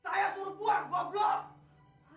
saya suruh buang blok blok